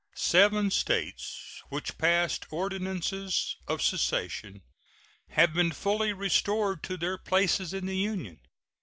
Seven States which passed ordinances of secession have been fully restored to their places in the Union.